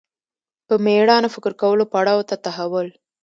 په مېړانه فکر کولو پړاو ته تحول